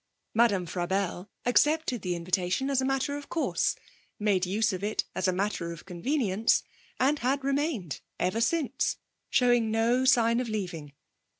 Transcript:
Madame Frabelle accepted the invitation as a matter of course, made use of it as a matter of convenience, and had remained ever since, showing no sign of leaving.